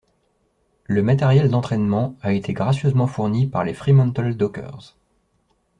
Le matériel d'entrainements a été gracieusement fourni par les Fremantle Dockers.